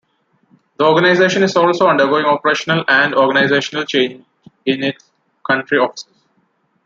The organization is also undergoing operational and organizational change in its country offices.